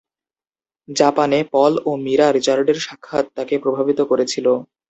জাপানে পল ও মীরা রিচার্ডের সাক্ষাৎ তাকে প্রভাবিত করেছিল।